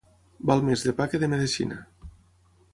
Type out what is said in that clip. Val més de pa que de medecina.